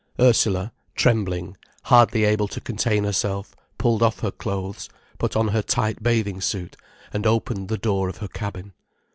Ursula, trembling, hardly able to contain herself, pulled off her clothes, put on her tight bathing suit, and opened the door of her cabin.